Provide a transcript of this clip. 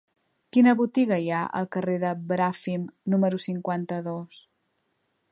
Quina botiga hi ha al carrer de Bràfim número cinquanta-dos?